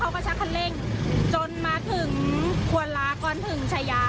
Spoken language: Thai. เขาพยายามเยียบรับมาตลอด